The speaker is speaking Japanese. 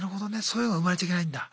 そういうの生まれちゃいけないんだ。